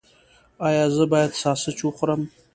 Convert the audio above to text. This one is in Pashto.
ایا زه باید ساسج وخورم؟